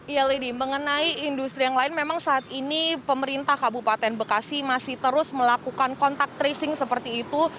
ya lady mengenai industri yang lain memang saat ini pemerintah kabupaten bekasi masih terus melakukan kontak tracing seperti itu